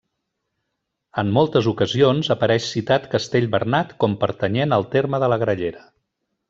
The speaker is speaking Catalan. En moltes ocasions apareix citat Castell Bernat com pertanyent al terme de la Grallera.